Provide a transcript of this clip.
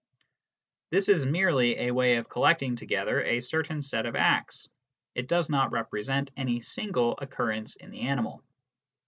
This is merely a way of collecting together a certain set of acts ; it does not represent any single occurrence in the animal.